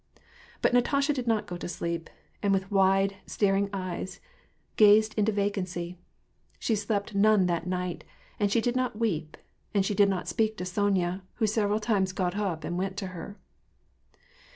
But Natasha did not go to sleep, and with wide, staring eyes gazed into vacancy. She slept none that night, and she did not weep, and she did not speak to Sony a, who several times got up and went to her.